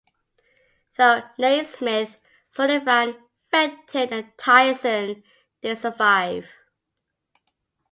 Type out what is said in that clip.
Though Naysmith, Sullivan, Fenton and Tyson did survive.